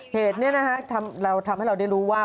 เหตุนี้เราทำให้เราได้รู้ว่า